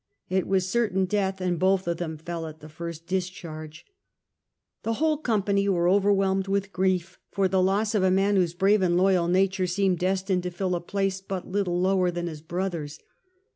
It was certain death, and both of them fell at the first discharge. The whole' company were overwhelmed with grief for the loss of a man whose brave and loyal nature seemed destined to fill a place but little lower than his brother's.